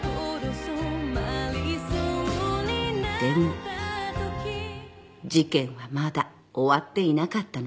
［でも事件はまだ終わっていなかったのです］